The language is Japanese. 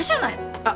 あっ！